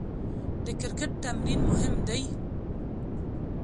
د کرکټ تمرین مهم دئ.